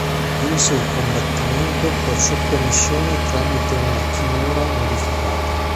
Vinse il combattimento per sottomissione tramite una kimura modificata.